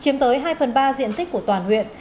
chiếm tới hai phần ba diện tích của toàn huyện